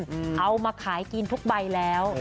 เอามาขายกินทุกใบแล้ว